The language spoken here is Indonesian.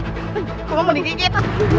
kok kamu digigit